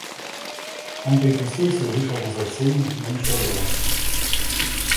Он перекрестился и вышел назад в сени, но не шел домой.